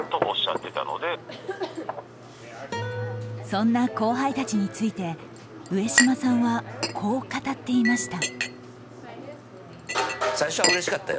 そんな後輩たちについて上島さんは、こう語っていました。